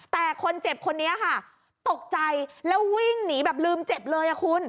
แต่คนเจ็บคนนี้ค่ะตกใจแล้ววิ่งหนีแบบลืมเจ็บเลยอ่ะคุณ